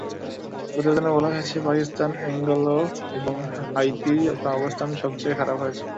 প্রতিবেদনে বলা হয়েছে, পাকিস্তান, অ্যাঙ্গোলা এবং হাইতির অবস্থান সবচেয়ে খারাপ হয়েছে।